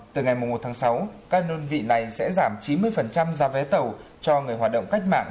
từ ngày một tháng sáu các đơn vị này sẽ giảm chín mươi giá vé tàu cho người hoạt động cách mạng